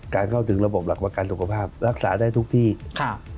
เข้าถึงระบบหลักประกันสุขภาพรักษาได้ทุกที่ค่ะ